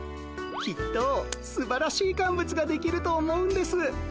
きっとすばらしい乾物が出来ると思うんです。